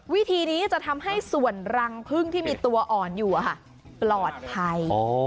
วิธีนี้จะทำให้ส่วนรังพึ่งที่มีตัวอ่อนอยู่ปลอดภัย